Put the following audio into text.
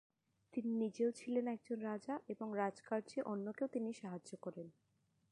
তিনি নিজেও ছিলেন একজন রাজা এবং রাজকার্যে অন্যকেও তিনি সাহায্য করেন।